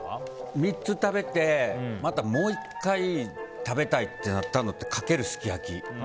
３つ食べて、またもう１回食べたいってなったのってかけるすき焼。